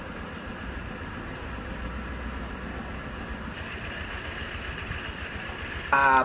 ฝิกไฟออกมารสะงงมันให้ดี